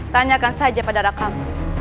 tanyakan saja pada rakam